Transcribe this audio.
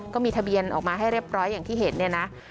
ก็มีทะเบียนออกมาให้เรียบร้อยอย่างที่เห็นเนี่ยนะ